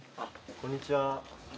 こんにちは。